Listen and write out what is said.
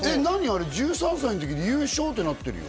あれ１３歳の時に優勝ってなってるよ